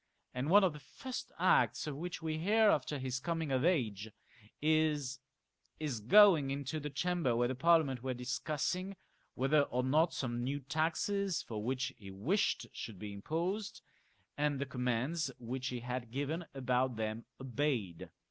" and one of the first acts of which we hear after his coming of age is his going into the Chamber where the ParUament were discussing whether or not some new taxes for which he wished should be imposed, and the commands which he had given about them obeyed.